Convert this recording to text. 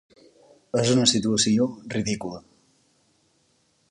És una situació ridícula.